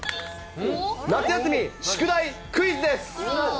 夏休み宿題クイズです。